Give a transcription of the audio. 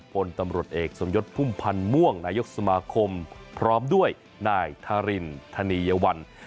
พลตำรวจเอกสมยศพุ่มพันธ์ม่วงนายกสมาคมพร้อมด้วยนายทารินธนียวัล